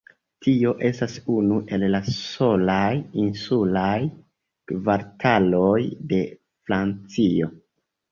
Tio estas unu el la solaj insulaj kvartaloj de Francio.